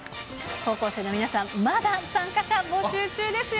高校生の皆さん、まだ参加者募集中ですよ。